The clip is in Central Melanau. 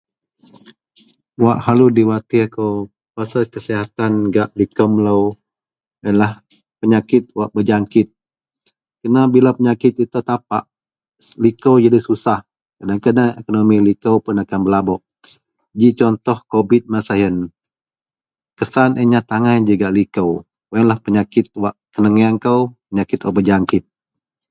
wak selalu di watir kou pasal kasihatan gak liko melou ienlah penyakit wak berjangkit kena bila penyakit itou tapak, liko pun jadi susah, ien kena ekonomi likou pun belabok ji contoh covid masa ien, kesan ien nyat angai ji gak liko, ien penyakit wak kenengeang kou penyakit wak berjangkit